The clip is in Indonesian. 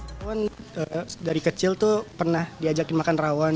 rawon dari kecil tuh pernah diajakin makan rawon